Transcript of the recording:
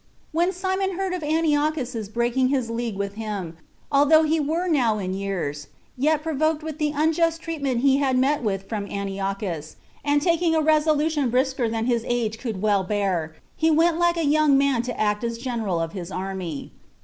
When Simon heard of Antiochus's breaking his league with him, although he were now in years, yet, provoked with the unjust treatment he had met with from Antiochus, and taking a resolution brisker than his age could well bear, he went like a young man to act as general of his army.